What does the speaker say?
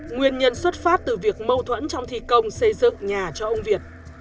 nguyên nhân xuất phát từ việc mâu thuẫn trong thi công xây dựng nhà cho ông việt